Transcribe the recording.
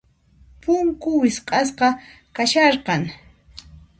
Punku wisq'asqa kasharqan.